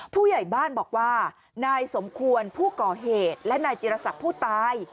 ผู้ใหญ่บ้านบอกว่านายสมควรผู้ก่อเหตุและนายจิรษักผู้ตาย